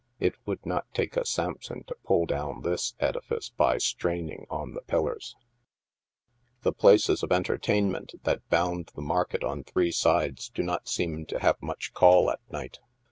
It would not take a Sampson to pull down this edifice by straining on the pillars ! The places of entertainment that bound the market on three side3 do not seem to have much call at night.